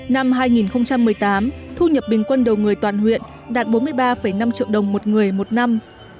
năm hai nghìn một mươi tám thu nhập bình quân đầu người toàn huyện đạt bốn mươi ba năm triệu đồng một người một năm